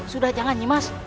sudah jangan nimas